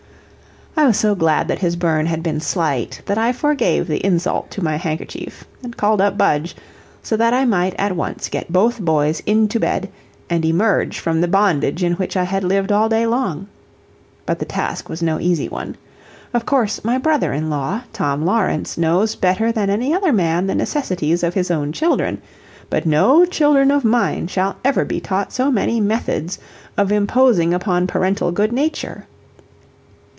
I was so glad that his burn had been slight that I forgave the insult to my handkerchief and called up Budge, so that I might at once get both boys into bed, and emerge from the bondage in which I had lived all day long. But the task was no easy one. Of course my brother in law, Tom Lawrence, knows better than any other man the necessities of his own children, but no children of mine shall ever be taught so many methods of imposing upon parental good nature.